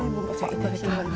いただきます。